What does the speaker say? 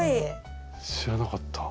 知らなかった。